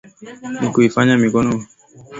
na kuifanya mikoa kuwa kumi na tatu kwa wakati huo